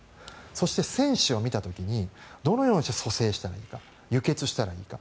そして戦士を見た時にどのようにして蘇生したらいいか輸血したらいいか。